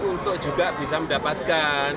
untuk juga bisa mendapatkan